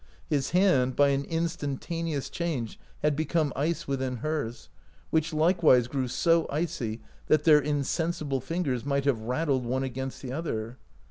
His hand, by ah instantaneous change, had become ice within hers, which likewise grew so icy that their insensible fingers might have rattled one against the other.